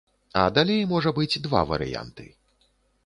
А далей можа быць два варыянты.